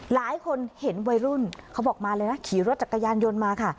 หลายคนเห็นวัยรุ่นเขาบอกมาเลยนะขี่รถจักรยานยนต์มาค่ะ